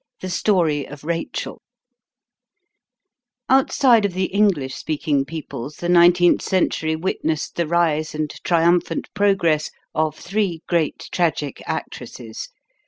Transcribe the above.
THE STORY OF RACHEL Outside of the English speaking peoples the nineteenth century witnessed the rise and triumphant progress of three great tragic actresses.